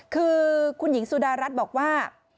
คือคุณหญิงสุดารัฐบอกว่า